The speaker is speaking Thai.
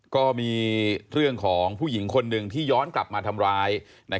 ก็มีเรื่องของผู้หญิงคนหนึ่งที่ย้อนกลับมาทำร้าย